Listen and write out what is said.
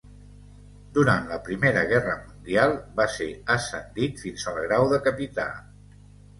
Durant la Primera Guerra Mundial va ser ascendit fins al grau de capità.